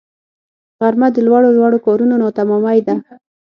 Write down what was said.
غرمه د لوړو لوړو کارونو ناتمامی ده